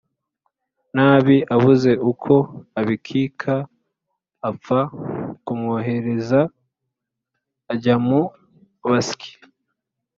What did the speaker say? nabi!”abuze uko abikika apfa kumwoheraza ajya mu basyi